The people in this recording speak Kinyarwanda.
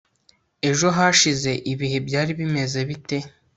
ejo hashize ibihe byari bimeze bite